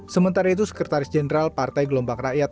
sementara itu sekretaris jenderal partai gelombang rakyat